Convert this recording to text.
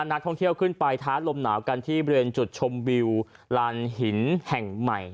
นักท่องเที่ยวขึ้นไปท้าลมหนาวกันที่บริเวณจุดชมวิวลานหินแห่งใหม่